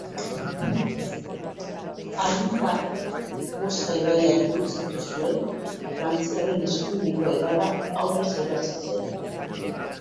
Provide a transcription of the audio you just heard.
Armada Mosa ibaia gurutzatu zuen frantziarren eskuineko hegala aurrez erasotzen.